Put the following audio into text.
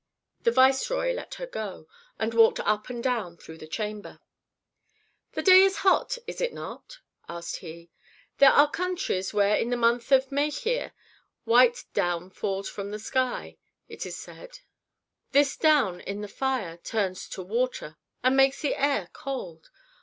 The viceroy let her go, and walked up and down through the chamber. "The day is hot, is it not?" asked he. "There are countries where in the month of Mechir white down falls from the sky, it is said; this down in the fire turns to water, and makes the air cold.